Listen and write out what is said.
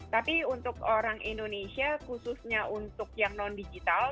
tapi untuk orang indonesia khususnya untuk yang non digital